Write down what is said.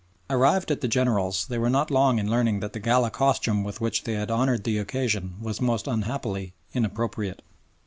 Arrived at the General's, they were not long in learning that the gala costume with which they had honoured the occasion was most unhappily inappropriate.